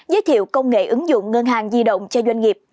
giới thiệu công nghệ ứng dụng ngân hàng di động cho doanh nghiệp